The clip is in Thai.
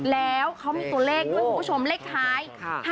แล้วเขามีตัวเลขด้วยคุณผู้ชมเลขท้าย๕๗